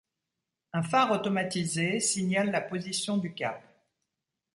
Un phare automatisé signale la position du cap.